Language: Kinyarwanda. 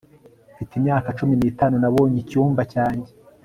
mfite imyaka cumi n'itanu, nabonye icyumba cyanjye